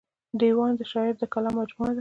دېوان د شاعر د کلام مجموعه ده.